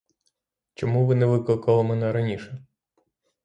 Чому ви не викликали мене раніше?